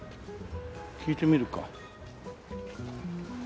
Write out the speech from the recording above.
聞いてみるか。